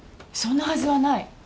そんなはずはない。